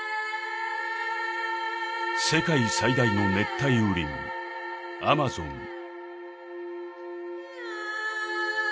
世界最大の熱帯雨林アマゾン